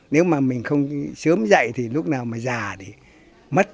nếu mà mình không sớm dạy thì lúc nào mà già thì mất